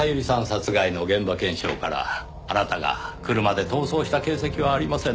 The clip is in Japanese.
殺害の現場検証からあなたが車で逃走した形跡はありませんでした。